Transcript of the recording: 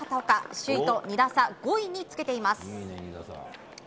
首位と２打差５位につけています。